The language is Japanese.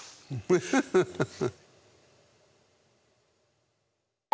フフフフ。